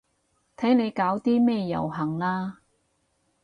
睇你搞啲咩遊行啦